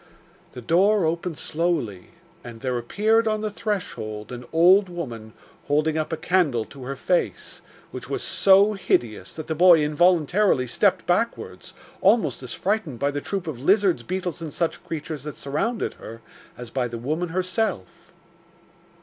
The door opened slowly, and there appeared on the threshold an old woman holding up a candle to her face, which was so hideous that the boy involuntarily stepped backwards, almost as frightened by the troop of lizards, beetles and such creatures that surrounded her, as by the woman herself.